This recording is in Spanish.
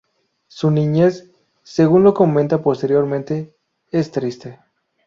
Su niñez -según lo comenta posteriormente- es triste.